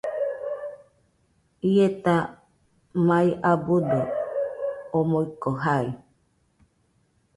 Ieta mai abɨdo omoɨko jai.